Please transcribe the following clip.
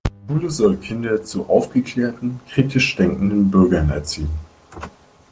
Schule soll Kinder zu aufgeklärten, kritisch denkenden Bürgern erziehen.